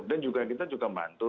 dan juga kita juga membantu